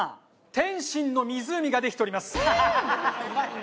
点心の湖ができております。